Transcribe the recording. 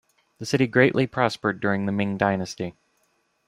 The city greatly prospered during the Ming Dynasty.